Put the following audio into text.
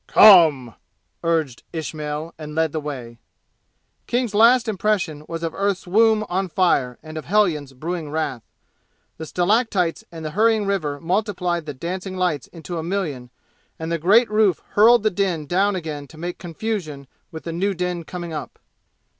"Come!" urged Ismail, and led the way. King's last impression was of earth's womb on fire and of hellions brewing wrath. The stalactites and the hurrying river multiplied the dancing lights into a million, and the great roof hurled the din down again to make confusion with the new din coming up.